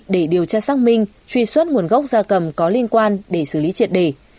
để điều tra xác minh truy xuất nguồn gốc da cầm có liên quan để xử lý triệt đề